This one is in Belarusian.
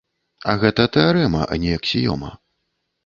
А гэта тэарэма, а не аксіёма.